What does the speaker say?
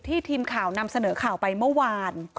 ทีมข่าวนำเสนอข่าวไปเมื่อวาน